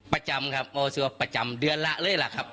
ประจำครับโอ้สวัสดีครับประจำเดือนละเลยล่ะครับ